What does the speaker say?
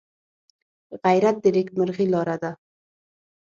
غیرت د نیکمرغۍ لاره ده